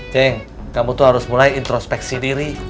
ceng kamu tuh harus mulai introspeksi diri